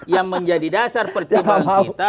yang menjadi dasar pertimbangan kita